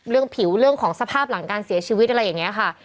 ผิวเรื่องของสภาพหลังการเสียชีวิตอะไรอย่างนี้ค่ะ